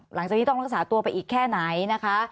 หลังจากนี้ต้องรักษาตัวไปอีกแค่ไหนนะคะ